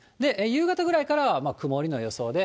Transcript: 夕方ぐらいからは曇りの予想で、